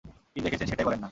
কী দেখেছেন সেটাই বলেন না?